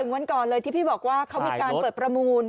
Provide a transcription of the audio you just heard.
วันก่อนเลยที่พี่บอกว่าเขามีการเปิดประมูล